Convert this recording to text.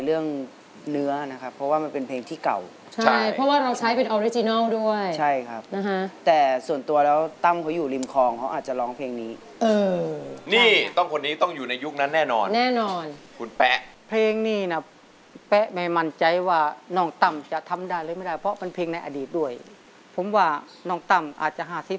พลิกที่ห้าไหมพลิกที่ห้าไหมพลิกที่ห้าไหมพลิกที่ห้าไหมพลิกที่ห้าไหมพลิกที่ห้าไหมพลิกที่ห้าไหมพลิกที่ห้าไหมพลิกที่ห้าไหมพลิกที่ห้าไหม